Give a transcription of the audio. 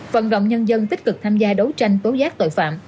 phần rộng nhân dân tích cực tham gia đấu tranh tố giác tội phạm